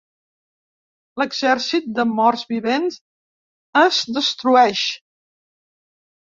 L'exèrcit de morts vivents es destrueix.